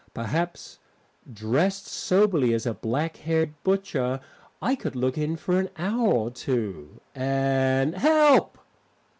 Perhaps dressed soberly as a black haired butcher I could look in for an hour or two ... and Help!